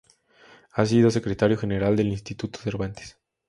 Ha sido secretario general del Instituto Cervantes.